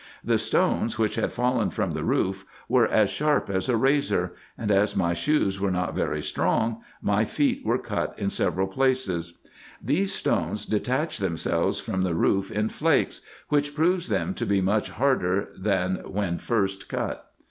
The stones which had fallen from the roof were as sharp as a razor, and as my shoes were not very strong, my feet were cut in several places. These stones detach themselves from the roof in flakes, which proves them to be much harder than when first cut.